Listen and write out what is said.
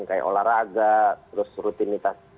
kayak olahraga terus rutinitas